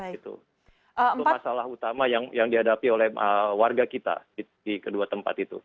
itu masalah utama yang dihadapi oleh warga kita di kedua tempat itu